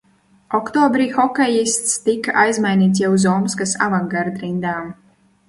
"Oktobrī hokejists tika aizmainīts jau uz Omskas "Avangard" rindām."